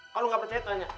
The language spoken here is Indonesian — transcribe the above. kalo gak percaya tanya